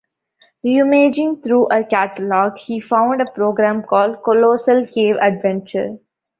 Rummaging through a catalog, he found a program called "Colossal Cave Adventure".